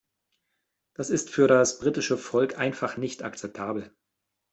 Das ist für das britische Volk einfach nicht akzeptabel.